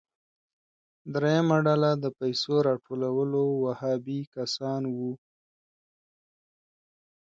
دریمه ډله د پیسو راټولولو وهابي کسان وو.